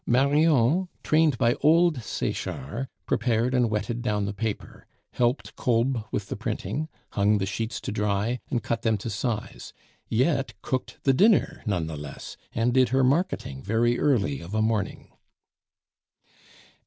Marion, trained by old Sechard, prepared and wetted down the paper, helped Kolb with the printing, hung the sheets to dry, and cut them to size; yet cooked the dinner, none the less, and did her marketing very early of a morning.